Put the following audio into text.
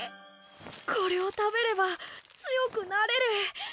これを食べれば強くなれる！